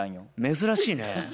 珍しいね。